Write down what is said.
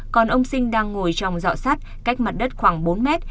còn ông sinh đang ngồi trong dọ sắt cách mặt đất khoảng bốn mét